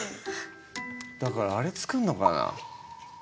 だからあれ作るのかな。